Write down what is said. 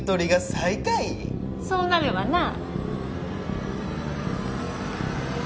そうなるわな。